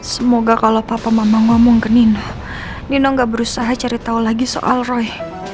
semoga kalau papa mama ngomong ke nino nina gak berusaha cari tahu lagi soal roy